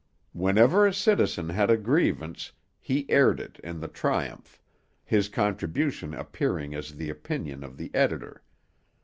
Whenever a citizen had a grievance, he aired it in the Triumph, his contribution appearing as the opinion of the editor.